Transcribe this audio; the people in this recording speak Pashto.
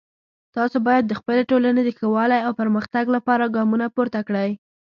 تاسو باید د خپلې ټولنې د ښه والی او پرمختګ لپاره ګامونه پورته کړئ